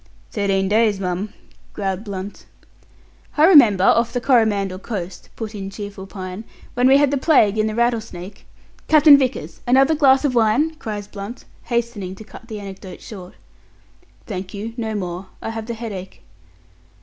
"Thirteen days, mum," growled Blunt. "I remember, off the Coromandel coast," put in cheerful Pine, "when we had the plague in the Rattlesnake " "Captain Vickers, another glass of wine?" cried Blunt, hastening to cut the anecdote short. "Thank you, no more. I have the headache."